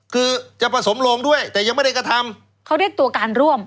คือจะผสมโรงด้วยแต่ยังไม่ได้กระทำเขาเรียกตัวการร่วม